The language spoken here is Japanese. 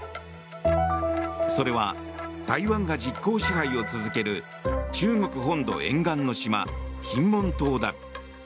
それは、台湾が実効支配を続ける中国本土沿岸の島金門島だ。